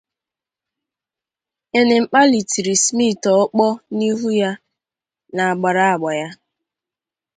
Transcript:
Enemkpali tiri Smith ọkpọ n'ihu ya, na-agbara agba ya.